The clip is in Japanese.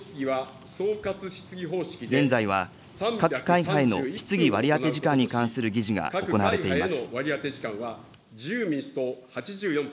現在は各会派への質疑割り当て時間に関する議事が行われています。